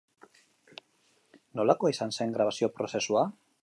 Nolakoa izan zen grabazio-prozesua?